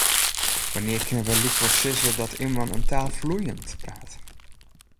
Wannear kinne we lykwols sizze dat immen in taal ‘floeiend’ praat?